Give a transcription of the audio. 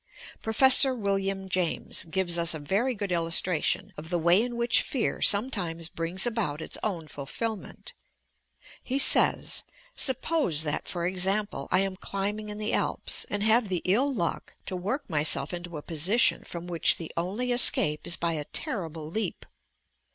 Professor William James gives us a very good illustration of the way in which fear sometimes brings about its own fulfilment. He says: "Suppose that, for example, I am climbing in the Alps and have the ill luck to work myself into a position from which the only escape is by a terrible 22 YOUR PSYCHIC POWERS leap.